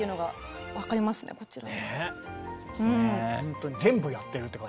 ほんとに全部やってるって感じ。